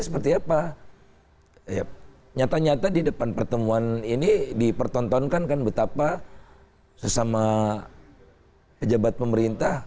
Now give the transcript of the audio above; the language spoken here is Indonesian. seperti apa nyata nyata di depan pertemuan ini dipertontonkan kan betapa sesama pejabat pemerintah